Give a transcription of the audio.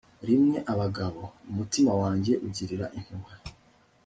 rimwe abagabo. umutima wanjye ugirira impuhwe